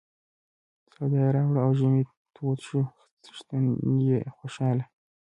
سودا یې راوړه او ژمی تود شو څښتن یې خوشاله.